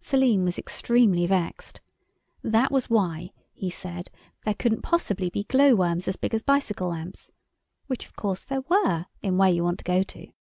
Selim was extremely vexed: that was why, he said, there couldn't possibly be glow worms as big as bicycle lamps, which, of course, there were in "Whereyouwantogoto."